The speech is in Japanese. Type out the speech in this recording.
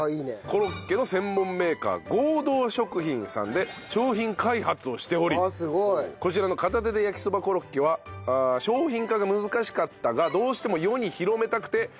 コロッケの専門メーカー合同食品さんで商品開発をしておりこちらの片手で焼きそばコロッケは商品化が難しかったが。